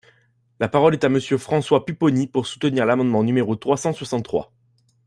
La parole est à Monsieur François Pupponi, pour soutenir l’amendement numéro trois cent soixante-trois.